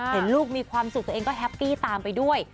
เห็นลูกมีความสุขตัวเองก็แฮปปี้ตามไปด้วย